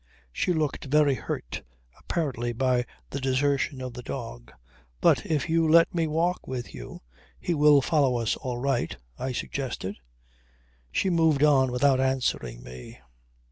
She looked very hurt, apparently by the desertion of the dog. "But if you let me walk with you he will follow us all right," I suggested. She moved on without answering me.